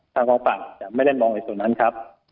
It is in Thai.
ทางกองฝั่งจะไม่ได้มองในส่วนนั้นครับ